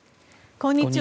こんにちは。